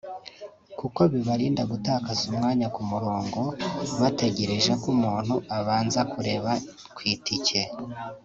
kuko bibarinda gutakaza umwanya ku murongo bategereje ko umuntu abanza kureba ku itike